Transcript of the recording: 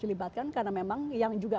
dilibatkan karena memang yang juga